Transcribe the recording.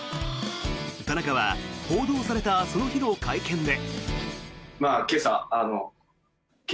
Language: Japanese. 田中は報道されたその日の会見で。